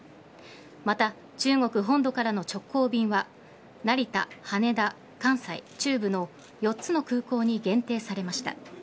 また、中国本土からの直行便は成田、羽田、関西、中部の４つの空港に限定されました。